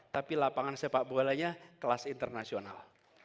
tapi lapangan sepak bolanya kelas internasional